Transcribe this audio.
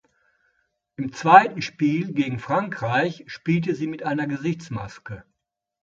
Im zweiten Spiel gegen Frankreich spielte sie mit einer Gesichtsmaske.